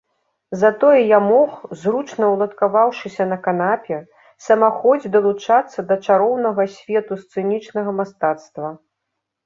Затое я мог, зручна ўладкаваўшыся на канапе, самахоць далучацца да чароўнага свету сцэнічнага мастацтва.